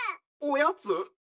おやつ！？